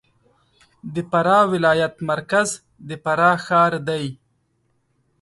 د فراه ولایت مرکز د فراه ښار دی